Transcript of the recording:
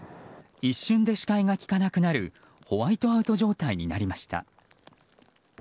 一瞬で視界が利かなくなるホワイトアウト状態になりました。